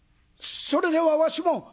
「それではわしも！？」。